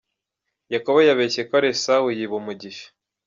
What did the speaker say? Yakobo yabeshye ko ari Esawu yiba umugisha.